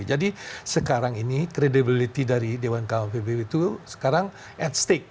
jadi sekarang ini kredibilitas dari dewan kawan pbb itu sekarang at stake